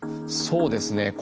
そうですね